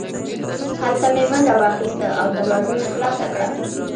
هلته مې منډه واخیسته او دروازه مې خلاصه کړه